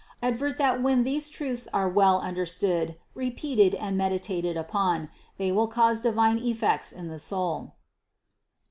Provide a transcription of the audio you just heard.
Advert that when these truths are well understood, repeated, and meditat ed upon, they will cause divine effects in the soul.